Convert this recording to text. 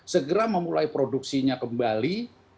segera memulai produksinya kembali